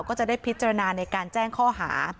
ก็จะได้พิจารณาในการแจ้งข้อหา